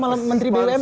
oh atau menteri bumn